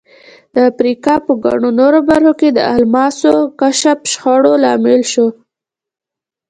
د افریقا په ګڼو نورو برخو کې د الماسو کشف شخړو لامل شو.